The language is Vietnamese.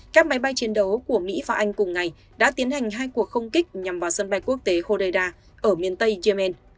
các máy bay chiến đấu của mỹ và anh cùng ngày đã tiến hành hai cuộc không kích nhằm vào sân bay quốc tế hodeida ở miền tây yemen